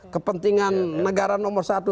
kepentingan negara nomor satu